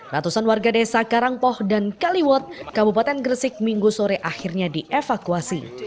ratusan warga desa karangpoh dan kaliwot kabupaten gresik minggu sore akhirnya dievakuasi